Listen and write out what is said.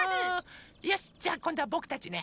よしじゃあこんどはぼくたちね。